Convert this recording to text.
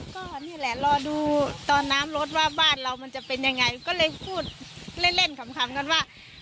ก็นี่แหละรอดูตอนน้ำรถว่าบ้านเรามันจะเป็นยังไงก็เลยพูดเล่นเล่นขำกันว่า